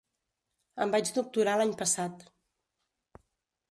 Em vaig doctorar l'any passat.